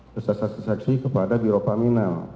bersaksesaksi kepada birokaminal